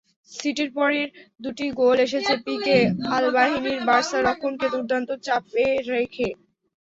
সিটির পরের দুটি গোল এসেছে পিকে-আলবাবিহীন বার্সা রক্ষণকে দুর্দান্ত চাপে রেখে।